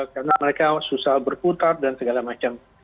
karena mereka susah berputar dan segala macam